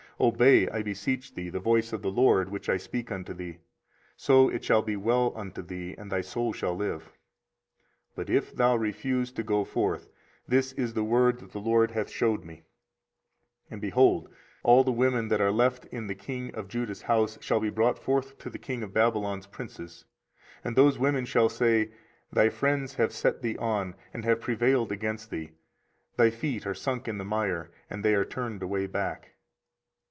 Obey, I beseech thee, the voice of the LORD, which I speak unto thee: so it shall be well unto thee, and thy soul shall live. 24:038:021 But if thou refuse to go forth, this is the word that the LORD hath shewed me: 24:038:022 And, behold, all the women that are left in the king of Judah's house shall be brought forth to the king of Babylon's princes, and those women shall say, Thy friends have set thee on, and have prevailed against thee: thy feet are sunk in the mire, and they are turned away back.